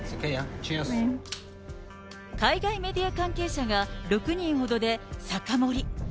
海外メディア関係者が、６人ほどで酒盛り。